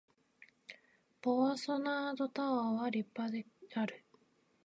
ボワソナードタワーは立派である